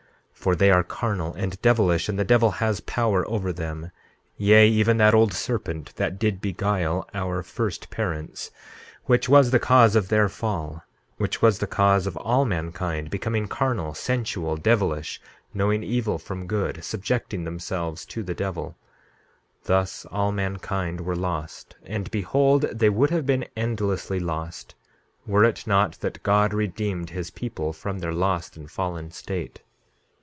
16:3 For they are carnal and devilish, and the devil has power over them; yea, even that old serpent that did beguile our first parents, which was the cause of their fall; which was the cause of all mankind becoming carnal, sensual, devilish, knowing evil from good, subjecting themselves to the devil. 16:4 Thus all mankind were lost; and behold, they would have been endlessly lost were it not that God redeemed his people from their lost and fallen state.